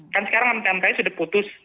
kan sekarang mk sudah putus